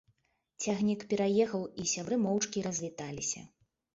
Цягнік пераехаў, і сябры моўчкі развіталіся.